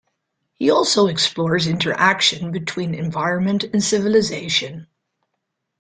He also explores interactions between environment and civilization.